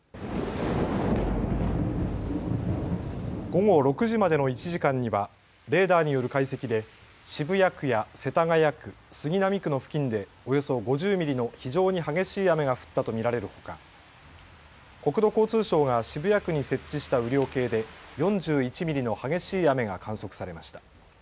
午後６時までの１時間にはレーダーによる解析で渋谷区や世田谷区、杉並区の付近でおよそ５０ミリの非常に激しい雨が降ったと見られるほか国土交通省が渋谷区に設置した雨量計で４１ミリの激しい雨が観測されました。